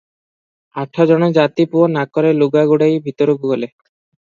ଆଠ ଜଣ ଜାତିପୁଅ ନାକରେ ଲୁଗା ଗୁଡାଇ ଭିତରକୁ ଗଲେ ।